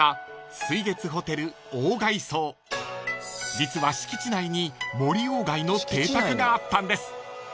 ［実は敷地内に森外の邸宅があったんです］